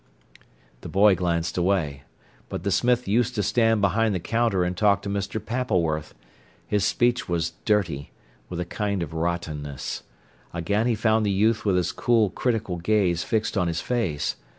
The boy glanced away. But the smith used to stand behind the counter and talk to Mr. Pappleworth. His speech was dirty, with a kind of rottenness. Again he found the youth with his cool, critical gaze fixed on his face.